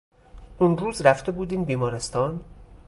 اونروز رفته بودین بیمارستان؟